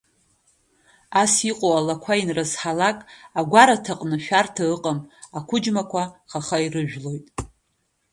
Ас иҟоу алақәа анрызҳалак агәараҭаҟны шәарҭа ыҟам, ақәыџьма хаха иажәлоит.